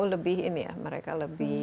lebih ini ya mereka lebih